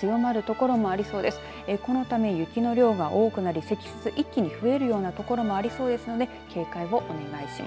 このため雪の量が多くなり積雪、一気に増えるような所もありそうですので警戒をお願いします。